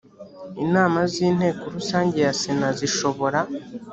inama z inteko rusange ya sena zishobora